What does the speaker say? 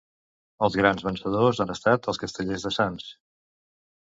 Els grans vencedors han estat els Castellers de Sants.